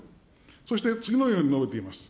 そして次のように述べています。